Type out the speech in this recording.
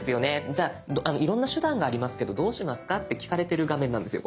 じゃあいろんな手段がありますけどどうしますか？」って聞かれてる画面なんですよ